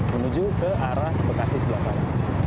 menuju ke arah bekasi sebelah sana